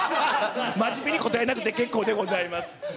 真面目に答えなくて結構でございます。